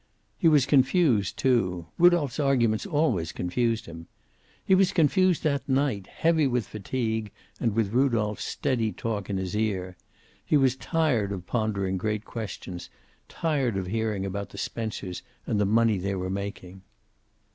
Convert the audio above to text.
He was confused, too. Rudolph's arguments always confused him. He was confused that night, heavy with fatigue and with Rudolph's steady talk in his ear. He was tired of pondering great questions, tired of hearing about the Spencers and the money they were making.